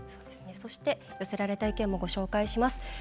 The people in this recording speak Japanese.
寄せられた意見もご紹介します。